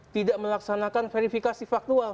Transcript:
tidak melaksanakan verifikasi faktual